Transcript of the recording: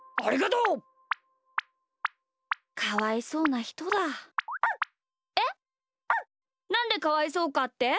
なんでかわいそうかって？